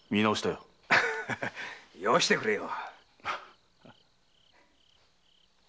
よしてくれよ！